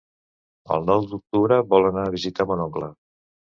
El nou d'octubre vol anar a visitar mon oncle.